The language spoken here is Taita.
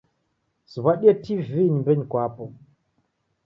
Siw'adie TV nyumbenyi mkwapo.